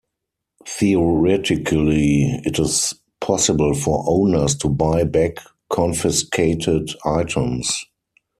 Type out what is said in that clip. Theoretically, it is possible for owners to buy back confiscated items.